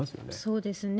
そうですね。